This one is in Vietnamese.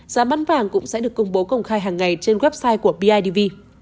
giá bán vàng cũng sẽ được công bố công khai hàng ngày trên website của bidv